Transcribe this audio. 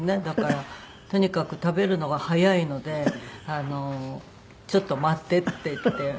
だからとにかく食べるのが速いので「ちょっと待って」って言って。